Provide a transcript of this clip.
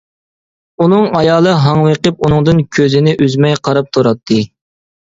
ئۇنىڭ ئايالى ھاڭۋېقىپ ئۇنىڭدىن كۆزىنى ئۈزمەي قاراپ تۇراتتى.